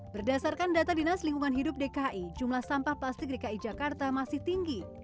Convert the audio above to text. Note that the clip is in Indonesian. berdasarkan data dinas lingkungan hidup dki jumlah sampah plastik dki jakarta masih tinggi